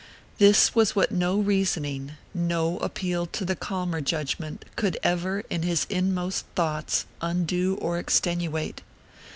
This was what no reasoning, no appeal to the calmer judgment, could ever, in his inmost thoughts, undo or extenuate.